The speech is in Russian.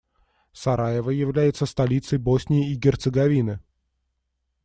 Сараево является столицей Боснии и Герцеговины.